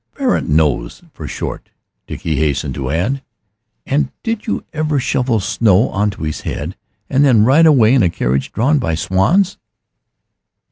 "Parrot nose for short," Dickie hastened to add; "and did you ever shovel snow on to his head and then ride away in a carriage drawn by swans?"